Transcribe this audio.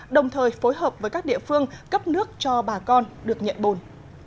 đồng thời phối hợp với các địa phương cấp nước cho bà con được nhận bồn